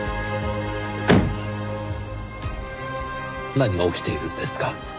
何が起きているんですか？